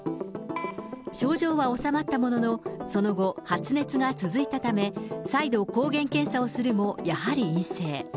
症状は治まったものの、その後、発熱が続いたため、再度、抗原検査をするも、やはり陰性。